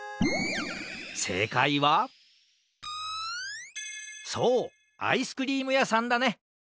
せいかいはそうアイスクリームやさんだね！